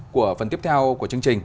của phần tiếp theo của chương trình